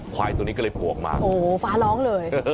ควายตัวนี้ก็เลยโผล่ออกมาโอ้โหฟ้าร้องเลย